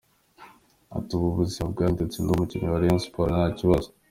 Ati “Ubu ubuzima bwahindutse ndi umukinnyi wa Rayon Sports nta kibazo.